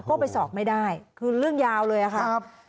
ก็ไปสอบไม่ได้คือเรื่องยาวเลยอะค่ะ